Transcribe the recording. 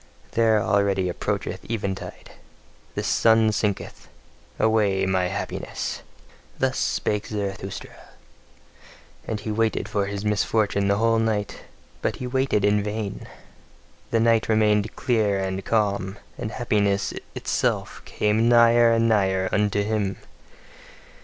There, already approacheth eventide: the sun sinketh. Away my happiness! Thus spake Zarathustra. And he waited for his misfortune the whole night; but he waited in vain. The night remained clear and calm, and happiness itself came nigher and nigher unto him.